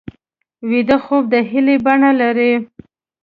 ویده خوب د هیلې بڼه لري